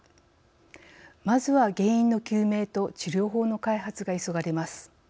まずは原因の究明と治療法の開発が急がれます。